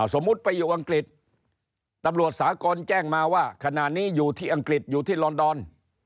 สมมุติไปอยู่อังกฤษตำรวจสากลแจ้งมาว่าขณะนี้อยู่ที่อังกฤษอยู่ที่ลอนดอน